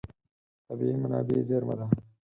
طبیعي منابع زېرمه ده.